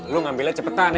lu ngambilnya cepetan ya